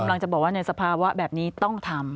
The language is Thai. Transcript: จะบอกว่าในสภาวะแบบนี้ต้องทำ